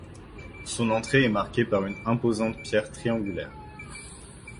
Son entrée est marquée par une imposante pierre triangulaire.